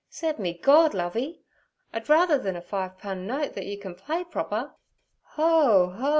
Se'p me Gord, Lovey! I'd ruther then a fi' pun note thet you ken play proper. Ho! ho!